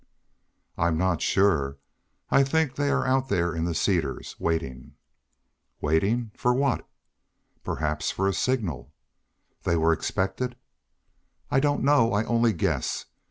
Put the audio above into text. "I'm not sure. I think they are out there in the cedars, waiting." "Waiting! For what?" "Perhaps for a signal." "Then they were expected?" "I don't know; I only guess.